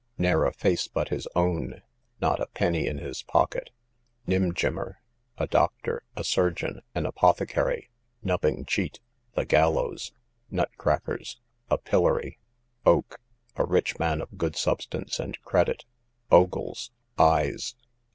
Ne'er a face but his own, not a penny in his pocket. Nim gimmer, a doctor, a surgeon, an apothecary. Nubbing cheat, the gallows. Nut crackers, a pillory. Oak, a rich man of good substance and credit. Ogles, eyes.